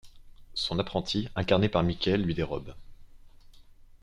Son apprenti, incarné par Mickey, lui dérobe.